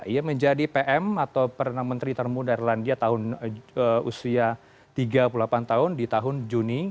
ia menjadi pm atau perdana menteri termuda irlandia usia tiga puluh delapan tahun di tahun juni